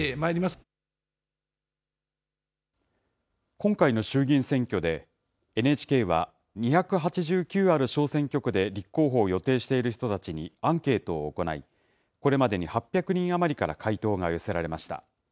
今回の衆議院選挙で、ＮＨＫは２８９ある小選挙区で立候補を予定している人たちにアンケートを行い、これまでに８００人余りから回答が寄せられました。